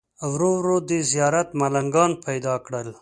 ورو ورو دې زیارت ملنګان پیدا کړل.